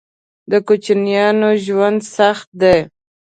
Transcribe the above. _د کوچيانو ژوند سخت دی.